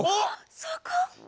そこ！？